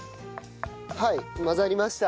はい混ざりました。